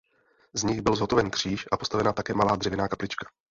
Z nich byl zhotoven kříž a postavena také malá dřevěná kaplička.